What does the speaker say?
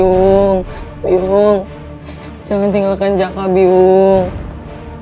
yuk yuk yuk yuk jangan tinggalkan jaka biu biu